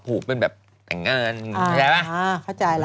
ผูกเป็นแบบอย่างนั้นเข้าใจป่ะ